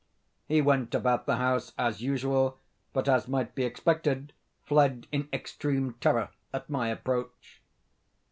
He went about the house as usual, but, as might be expected, fled in extreme terror at my approach.